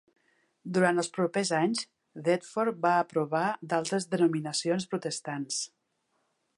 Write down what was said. Durant els propers anys, Thetford va provar d'altres denominacions protestants.